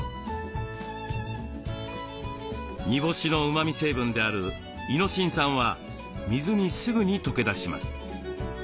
煮干しのうまみ成分であるイノシン酸は水にすぐに溶け出します。